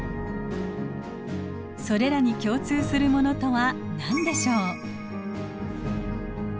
それらに共通するものとは何でしょう？